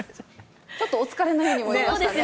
ちょっとお疲れのように見えそうですね。